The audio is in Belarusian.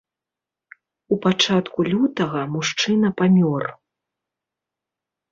У пачатку лютага мужчына памёр.